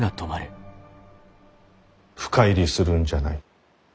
深入りするんじゃない。